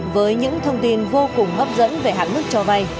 với những thông tin vô cùng hấp dẫn về hạn mức cho vay